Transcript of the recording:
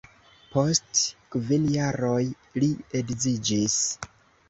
Post kvin jaroj li edziĝis.